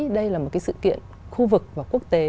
đây là một cái sự kiện khu vực và quốc tế